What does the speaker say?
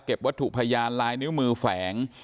วัตถุพยานลายนิ้วมือแฝง